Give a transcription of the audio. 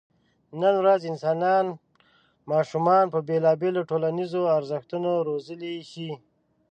نن ورځ انسانان ماشومان په بېلابېلو ټولنیزو ارزښتونو روزلی شي.